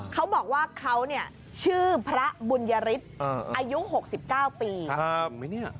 เขาบอกว่าเขาเนี่ยชื่อพระบุญยฤทธิ์อายุ๖๙ปี